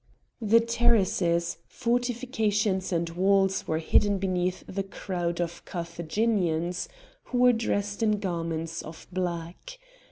The terraces, fortifications, and walls were hidden beneath the crowd of Carthaginians, who were dressed in garments of black.